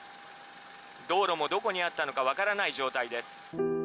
道路もどこにあったのか分からない状態です。